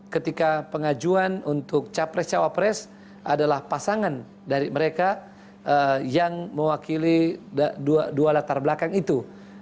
karena pengajuan untuk capres cawapres adalah pasangan dari mereka yang mewakili dua latar belakang itu